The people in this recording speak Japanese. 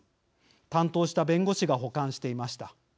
担当した弁護士が保管していました。